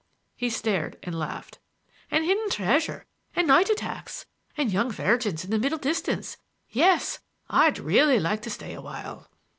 He stared and laughed. "And hidden treasure, and night attacks, and young virgins in the middle distance,—yes, I'd really like to stay a while."